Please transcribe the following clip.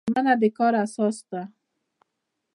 ژمنه د کار اساس دی